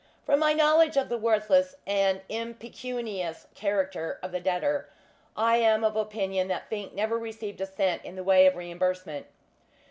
From my knowledge of the worthless and impecunious character of the debtor, I am of opinion that Fink never received a cent in the way of reimbursement.